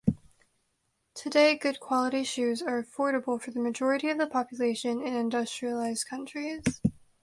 Today good quality shoes are affordable for the majority of the population in industrialized countries.